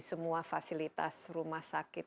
semua fasilitas rumah sakit